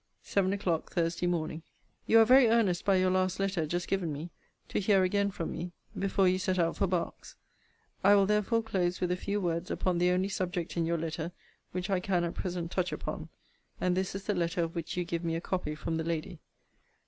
SEVEN O'CLOCK, THURSDAY MORNING. You are very earnest, by your last letter, (just given me) to hear again from me, before you set out for Berks. I will therefore close with a few words upon the only subject in your letter which I can at present touch upon: and this is the letter of which you give me a copy from the lady.